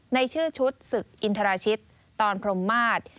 ในชื่อชุดศึกอินทราชิตตอนพรมมาศ